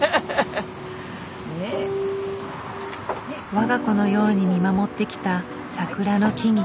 我が子のように見守ってきた桜の木々。